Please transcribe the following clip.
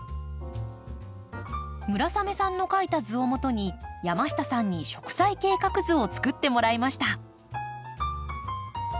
村雨さんの描いた図をもとに山下さんに植栽計画図をつくってもらいました。